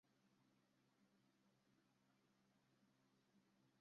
aya mrisho kikwete yeye rais wa jamhurui ya muungano wa tanzania